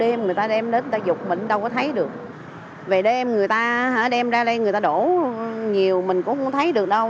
em người ta đem đến người ta dục mình đâu có thấy được về đây em người ta đem ra đây người ta đổ nhiều mình cũng không thấy được đâu